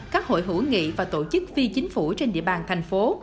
các hội hữu nghị và tổ chức phi chính phủ trên địa bàn thành phố